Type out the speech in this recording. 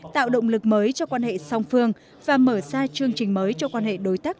tạo động lực mới cho quan hệ song phương và mở ra chương trình mới cho quan hệ đối tác